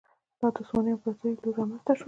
دا د عثماني امپراتورۍ له لوري رامنځته شول.